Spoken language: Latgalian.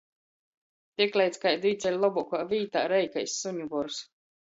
Tikleidz kaidu īceļ lobuokā vītā, rej kai suņu bors.